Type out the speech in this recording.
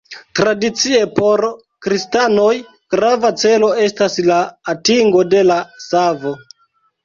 Tradicie, por kristanoj, grava celo estas la atingo de la savo.